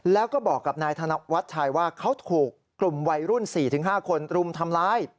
แล้วก็บอกกับนายธนวัชชัยว่าเขาถูกกลุ่มวัยรุ่น๔๕คนรุมทำร้าย